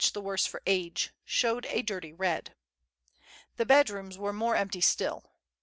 118 the worse for age, showed a dirty red. The bed rooms were more empty still.